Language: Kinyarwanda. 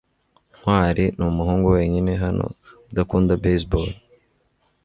ntwali numuhungu wenyine hano udakunda baseball